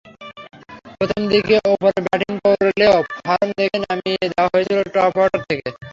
প্রথম দিকে ওপরে ব্যাটিং করলেও ফর্ম দেখেই নামিয়ে দেওয়া হয়েছিল টপঅর্ডার থেকে।